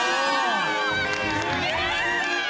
やった！